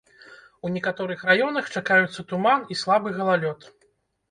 У некаторых раёнах чакаюцца туман і слабы галалёд.